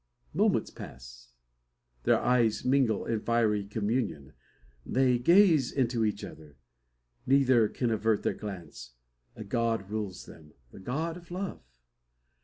Moments pass. Their eyes mingle in fiery communion. They gaze into each other. Neither can avert their glance. A god rules them: the god of love!